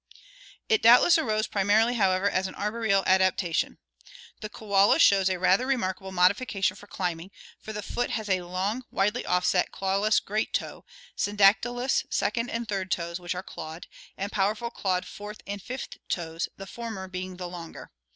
It doubtless arose primarily, however, as an arboreal adaptation. The koala shows a rather remarkable modification for climbing, for the foot has a long, widely offset, clawless great toe, syndactylous second and third toes, which are clawed, and powerful clawed fourth and fifth toes, the former being the longer.